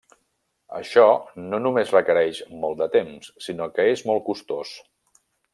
Això no només requereix molt de temps, sinó que és molt costós.